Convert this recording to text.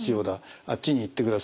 「あっちに行ってください」